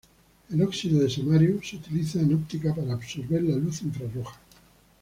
El óxido de samario se utiliza en óptica para absorber la luz infrarroja.